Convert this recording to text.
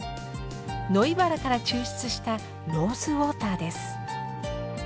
ノイバラから抽出したローズウォーターです。